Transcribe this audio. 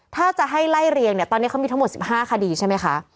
ถ้าจะให้ไล่เรียงเนี่ยตอนนี้เขามีทั้งหมด๑๕คดีใช่ไหมคะ